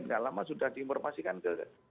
tidak lama sudah dimormasikan ke